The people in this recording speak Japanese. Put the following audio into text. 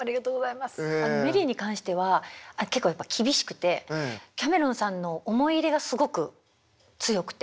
メリーに関しては結構やっぱ厳しくてキャメロンさんの思い入れがすごく強くて。